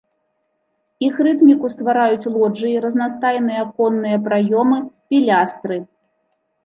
Іх рытміку ствараюць лоджыі, разнастайныя аконныя праёмы, пілястры.